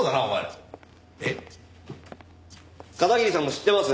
片桐さんも知ってます？